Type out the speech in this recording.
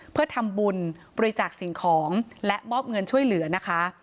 เพื่อทำบุญบริจาคสิ่งของและมอบเงินช่วยเหลือนะคะ